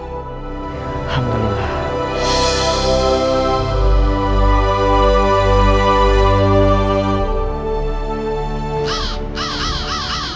aku akan menunggu mereka disini